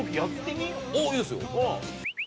いいですよ。